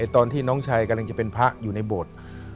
ตอนที่น้องชายกำลังจะเป็นพระอยู่ในโบสถ์